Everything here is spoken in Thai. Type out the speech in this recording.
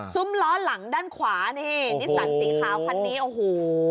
ล้อหลังด้านขวานี่นิสสันสีขาวคันนี้โอ้โห